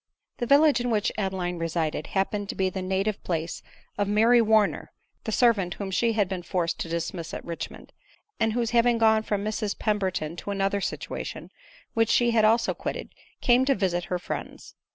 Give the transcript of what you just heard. The village in which Adeline resided happened to be the native place of Mary Warner, the servant whom she had been forced to dismiss at Richmond ; and who hav ing gone from Mrs Pemberton to another situation, which die bad also quitted, came to visit her friends.